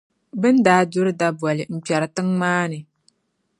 Bɛ ni daa duri daboli n-kpɛri tiŋ’ maa ni.